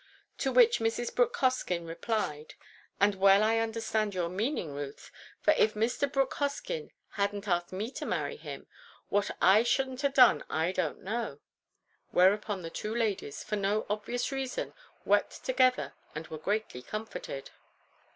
To which Mrs. Brooke Hoskyn replied, "And well I understand your meaning, Ruth; for if Mr. Brooke Hoskyn had n't asked me to marry him, what I should ha' done I don't know." Whereupon the two ladies, for no obvious reason, wept together and were greatly comforted.